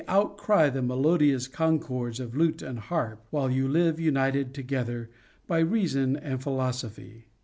487 outcry the melodious concords of lute or harp, while you live united together by reason and philosophy.